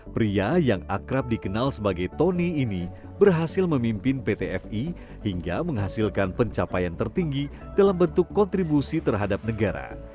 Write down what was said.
pria yang akrab dikenal sebagai tony ini berhasil memimpin pt fi hingga menghasilkan pencapaian tertinggi dalam bentuk kontribusi terhadap negara